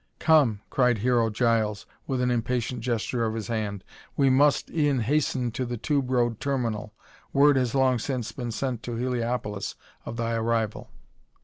"Come," cried Hero Giles with an impatient gesture of his hand, "we must e'en hasten to the tube road terminal. Word has long since been sent to Heliopolis of thy arrival."